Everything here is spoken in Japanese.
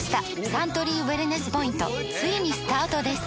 サントリーウエルネスポイントついにスタートです！